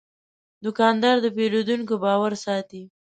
دوکاندار د پیرودونکو باور ساتي.